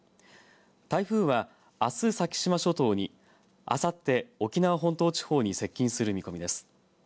台風はあす先島諸島にあさって沖縄本島地方に接近する見込みです。